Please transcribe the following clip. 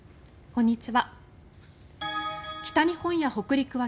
こんにちは。